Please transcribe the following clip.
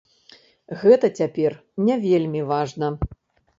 Гэта цяпер не вельмі важна.